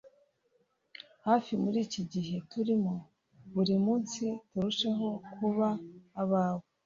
hafi muri iki gihe turimo, buri munsi turusheho kuba abawe